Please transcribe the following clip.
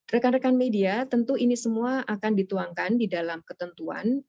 rekan rekan media tentu ini semua akan dituangkan di dalam ketentuan